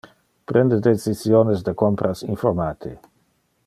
Prende decisiones de compras informate.